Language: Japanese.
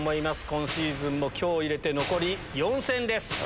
今シーズンも今日を入れて残り４戦です。